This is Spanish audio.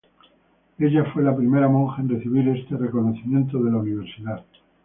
Ella fue la primera monja en recibir este reconocimiento de la universidad.